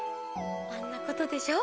あんなことでしょ